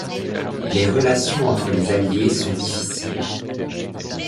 Les relations entre les alliés sont difficiles.